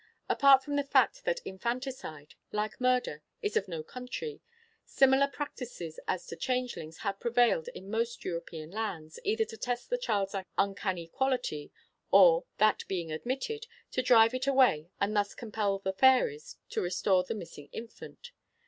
Apart from the fact that infanticide, like murder, is of no country, similar practices as to changelings have prevailed in most European lands, either to test the child's uncanny quality, or, that being admitted, to drive it away and thus compel the fairies to restore the missing infant.